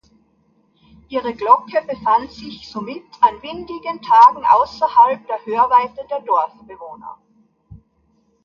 Ihre Glocke befand sich somit an windigen Tagen außerhalb der Hörweite der Dorfbewohner.